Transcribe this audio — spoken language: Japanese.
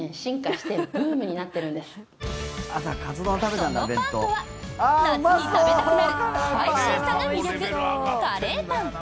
そのパンとは夏に食べたくなるスパイシーさが魅力！